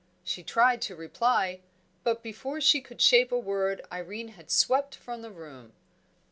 She tried to reply, but before she could shape a word Irene had swept from the room.